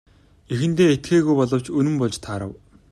Эхэндээ итгээгүй боловч үнэн болж таарав.